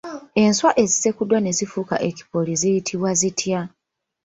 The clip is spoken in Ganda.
Enswa ezisekuddwa ne zifuuka ekipooli ziyitibwa zitya?